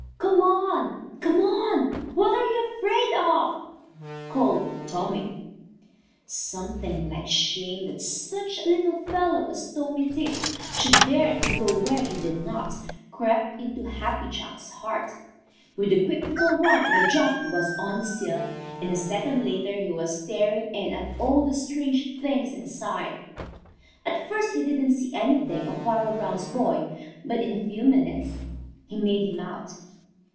"Come on! Come on! What are you afraid of?" called Tommy. Something like shame that such a little fellow as Tommy Tit should dare to go where he did not, crept into Happy Jack's heart. With a quick little run and jump he was on the sill, and a second later he was staring in at all the strange things inside. At first he didn't see anything of Farmer Brown's boy, but in a few minutes he made him out.